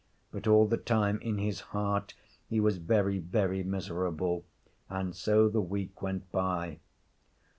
But all the time, in his heart, he was very, very miserable. And so the week went by.